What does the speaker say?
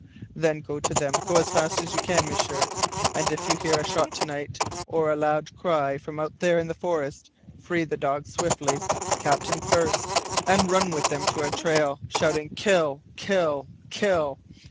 "Then go to them go as fast as you can, M'sieur. And if you hear a shot to night or a loud cry from out there in the forest, free the dogs swiftly, Captain first, and run with them to our trail, shouting 'KILL! KILL! KILL!'